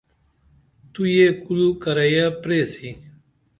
تو یہ کُل کِرییہ پریسی؟